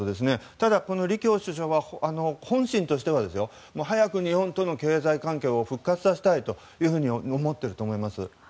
ただ、この李強首相は本心としては早く日本との経済関係を復活させたいと思っていると思います。